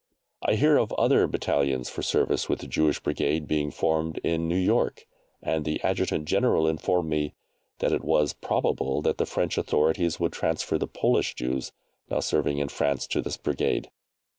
I hear of other battalions for service with the Jewish Brigade being formed in New York; and the Adjutant General informed me that it was probable that the French authorities would transfer the Polish Jews now serving in France to this Brigade.